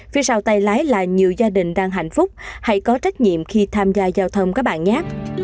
phía sau tay lái là nhiều gia đình đang hạnh phúc hãy có trách nhiệm khi tham gia giao thông có bạn nhát